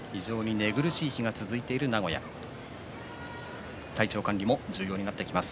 寝苦しい日が続いている名古屋体調管理も重要になってきます。